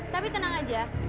tapi tenang aja